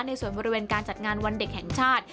ในส่วนบริเวณการจัดงานวันเด็กแห่งชาติ